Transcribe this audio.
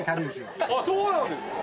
あそうなんですか。